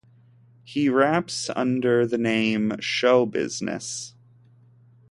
He raps under the name Show Bizness.